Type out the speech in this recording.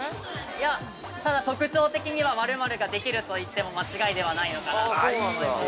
◆いや、ただ、特徴的には○○ができると言っても間違いではないのかなと思います。